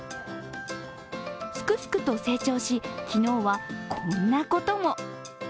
すくすくと成長し昨日はこんなことも。